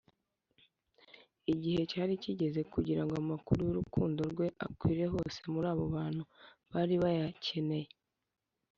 igihe cyari kigeze kugira ngo amakuru y’urukundo rwe akwire hose muri abo bantu bari bayakeneye